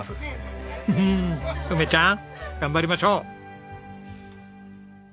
フフッ梅ちゃん頑張りましょう！